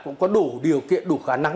cũng có đủ điều kiện đủ khả năng